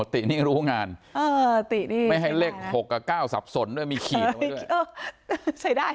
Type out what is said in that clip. ตินี่รู้งานไม่ให้เลข๖กับ๙สับสนด้วยมีขีดไว้ด้วย